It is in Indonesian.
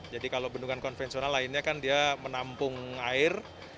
jadi kalau bendungan konvensional lainnya kan dia menampung air